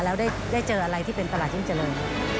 แล้วได้เจออะไรที่เป็นตลาดยิ่งเจริญ